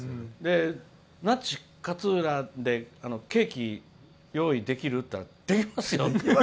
那智勝浦でケーキ用意できる？って言ったらできますよって。